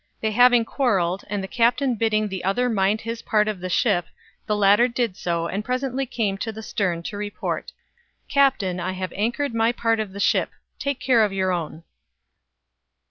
They having quarreled and the captain bidding the other mind his part of the ship, the latter did so, and presently came to the stern to report: "Captain, I have anchored my part of the ship! Take care of your own."